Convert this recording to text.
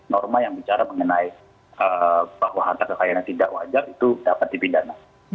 norma yang bicara mengenai bahwa harta kekayaan yang tidak wajar itu dapat dipidana